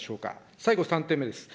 最後、３点目です。